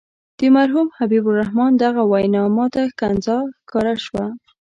د مرحوم حبیب الرحمن دغه وینا ماته ښکنځا ښکاره شوه.